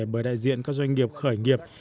bởi đại diện các doanh nghiệp khởi nghiệp